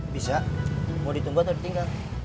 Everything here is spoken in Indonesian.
bisa mau ditunggu atau ditinggal